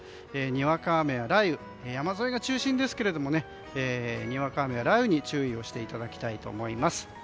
にわか雨や雷雨山沿いが中心ですけれどもにわか雨や雷雨に注意をしていただきたいと思います。